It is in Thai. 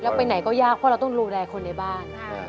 แล้วไปไหนก็ยากเพราะเราต้องดูแลคนในบ้าน